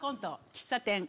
「喫茶店」